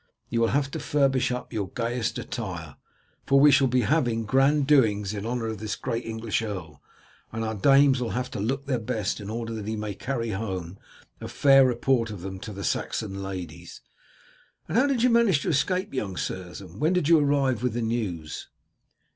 "You will have to furbish up your gayest attire, for we shall be having grand doings in honour of this great English earl, and our dames will have to look their best in order that he may carry home a fair report of them to the Saxon ladies. And how did you manage to escape, young sirs, and when did you arrive with the news?"